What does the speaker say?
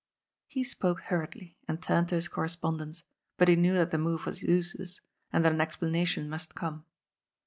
He spoke hurriedly and turned to his correspondence, but he knew that the moye was useless, and that an explanation must come.